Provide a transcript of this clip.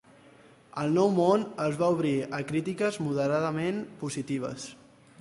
"El nou món" es va obrir a crítiques moderadament positives.